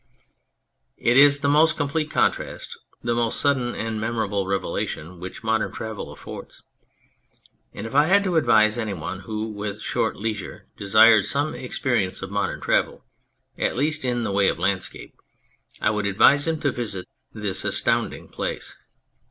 It is the most complete contrast, the most sudden and memorable revelation which modern travel affords. And if I had to advise any one who with short leisure desired some experience of modern travel, at least in the way of landscape, I would advise him to visit this astounding place.